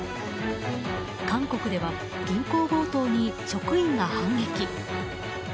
韓国では銀行強盗に職員が反撃。